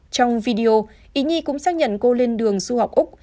trong video ý nhi cũng xác nhận cô lên đường du học úc